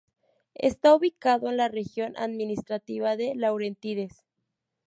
Está ubicado en la región administrativa de Laurentides.